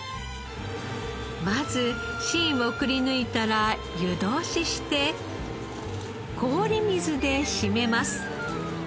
まず芯をくりぬいたら湯通しして氷水で締めます。